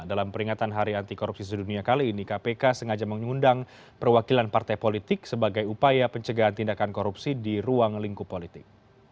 dalam peringatan hari anti korupsi sedunia kali ini kpk sengaja mengundang perwakilan partai politik sebagai upaya pencegahan tindakan korupsi di ruang lingkup politik